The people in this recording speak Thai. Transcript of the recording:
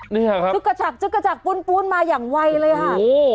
นี่ค่ะครับจุกระจักรปุ้นมาอย่างไวเลยค่ะโอ้โห